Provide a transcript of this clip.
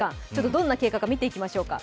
どんな経過か見ていきましょうか。